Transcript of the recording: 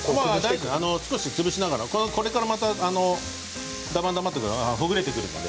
少し潰しながらこれからまた、だまだまがほぐれてくるので。